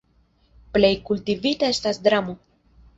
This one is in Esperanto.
Plej kultivita estas dramo.